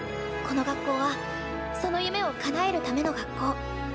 この学校はその夢を叶えるための学校。